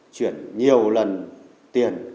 chuyển nhiều lần tiền